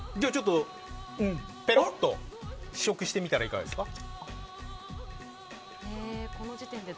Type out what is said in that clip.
試食してみたらいかがですか？